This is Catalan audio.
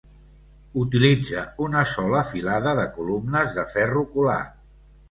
Utilitza una sola filada de columnes de ferro colat.